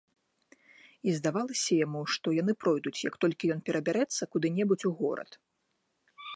І здавалася яму, што яны пройдуць, як толькі ён перабярэцца куды-небудзь у горад.